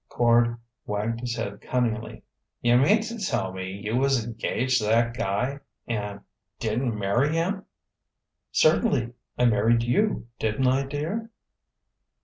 '" Quard wagged his head cunningly. "Y'mean to tell me you was engaged to that guy, and didn't marry him?" "Certainly. I married you, didn't I, dear?"